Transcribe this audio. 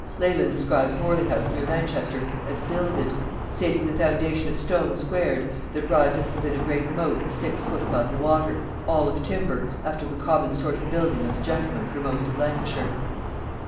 Leland describes Morley house near Manchester as 'builded, saving the foundation of stone squared that riseth within a great mote a 6 foot above the water, all of timber, after the common sort of building of the gentlemen for most of Lancashire.'